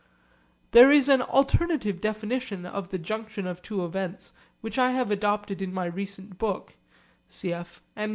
There is an alternative definition of the junction of two events which I have adopted in my recent book.